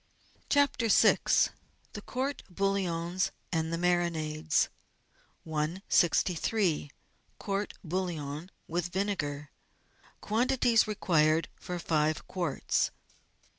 CHAPTER VI The Court bouillons and the Marinades 163— COURT= BOUILLON WITH VINEGAR Quantities Required for Five Quarts.